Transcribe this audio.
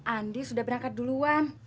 andi sudah berangkat duluan